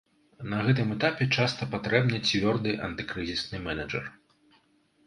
На гэтым этапе часта патрэбны цвёрды антыкрызісны мэнэджар.